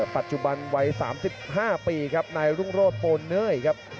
ปัจจุบันวัย๓๕ปีครับนายรุ่งโรธโปเน่ครับ